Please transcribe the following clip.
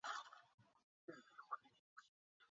最终昆士兰州政府撤回了修建水坝的计划。